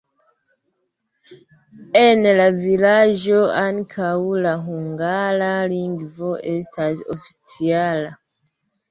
En la vilaĝo ankaŭ la hungara lingvo estas oficiala.